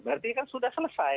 berarti kan sudah selesai